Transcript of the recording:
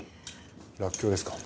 らっきょうですか？